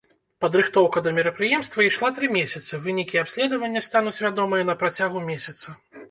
Падрыхтоўка да мерапрыемства ішла тры месяцы, вынікі абследавання стануць вядомыя на працягу месяца.